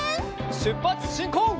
しゅっぱつしんこう！